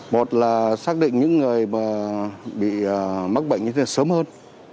một là xác định những người mà bị mắc bệnh như thế sớm hơn